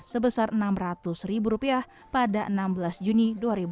sebesar enam ratus ribu rupiah pada enam belas juni dua ribu dua puluh